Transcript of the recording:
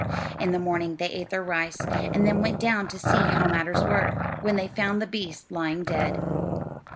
In the morning they ate their rice, and then went down to see how matters were, when they found the beast lying dead.